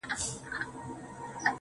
خير دی د ميني د وروستي ماښام تصوير دي وي